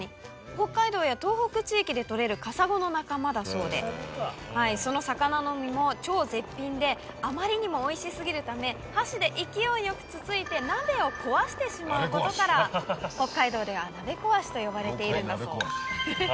北海道や東北地域で取れるカサゴの仲間だそうでその魚の身も超絶品であまりにもおいし過ぎるため箸で勢いよくつついて鍋を壊してしまうことから北海道では鍋こわしと呼ばれているんだそう。